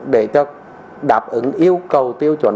để đáp ứng yêu cầu tiêu chuẩn